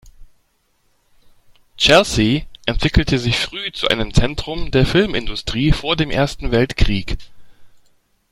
Chelsea entwickelte sich früh zu einem Zentrum der Filmindustrie vor dem Ersten Weltkrieg.